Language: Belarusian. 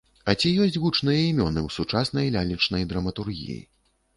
А ці ёсць гучныя імёны ў сучаснай лялечнай драматургіі?